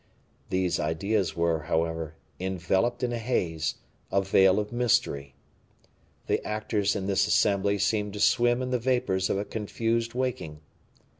These ideas were, however, enveloped in a haze, a veil of mystery. The actors in this assembly seemed to swim in the vapors of a confused waking.